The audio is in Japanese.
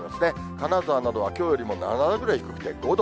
金沢などはきょうよりも７度ぐらい低くて５度。